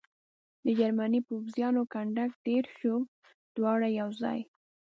د جرمني پوځیانو کنډک تېر شو، دواړه یو ځای.